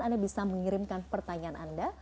anda bisa mengirimkan pertanyaan anda